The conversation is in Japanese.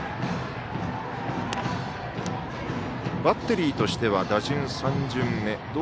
バッテリーとしては打順３巡目。